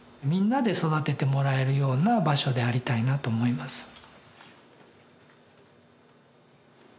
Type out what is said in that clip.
みんなで育ててもらえるような場所でありたいなと思います。